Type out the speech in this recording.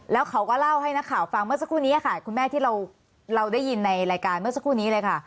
แล้วเขาก็เล่าให้นักข่าวฟังเมื่อสักครู่นี้ค่ะคุณแม่ที่เราได้ยินในรายการเมื่อสักครู่นี้เลยค่ะ